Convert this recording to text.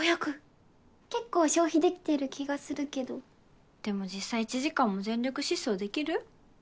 ５００結構消費できてる気がするけどでも実際１時間も全力疾走できる？